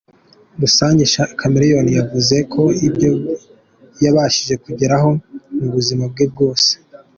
rusange, Chameleone yavuze ko ibyo yabashije kugeraho mu buzima bwe bwose.